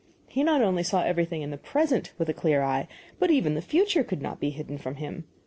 He not only saw everything in the present with a clear eye, but even the future could not be hidden from him.